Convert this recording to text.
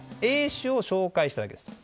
Ａ氏を紹介しただけです。